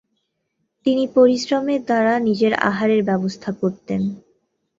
তিনি পরিশ্রমের দ্বারা নিজের আহারের ব্যবস্থা করতেন।